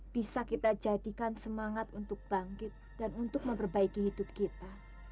bisa kita jadikan semangat untuk bangkit dan untuk memperbaiki hidup kita